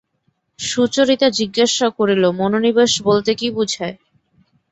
সুচরিতা জিজ্ঞাসা করিল, মনোনিবেশ বলতে কী বোঝায়?